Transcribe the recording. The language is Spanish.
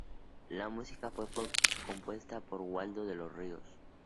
La música fue compuesta por Waldo de los Ríos.